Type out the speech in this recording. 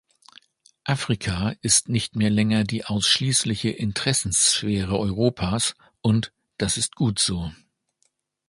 Afrika ist nicht mehr länger die ausschließliche Interessenssphäre Europas und das ist gut so.